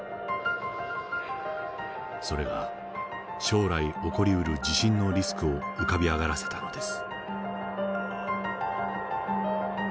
それが将来起こりうる地震のリスクを浮かび上がらせたのです。